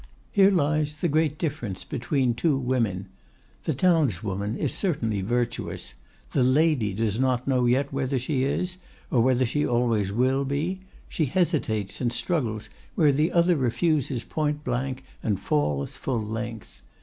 Here lies the great difference between two women; the townswoman is certainly virtuous; the lady does not know yet whether she is, or whether she always will be; she hesitates and struggles where the other refuses point blank and falls full length.